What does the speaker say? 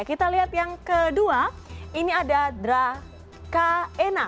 kita lihat yang kedua ini ada dracaena